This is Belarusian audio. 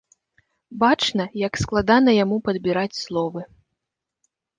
Бачна, як складана яму падбіраць словы.